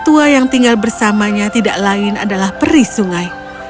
tua yang tinggal bersamanya tidak lain adalah peri sungai